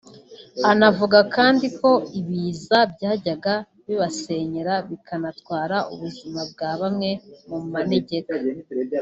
Anavuga kandi ko ibiza byajyaga bibasenyera bikanatwara ubuzima bwa bamwe mu manegeka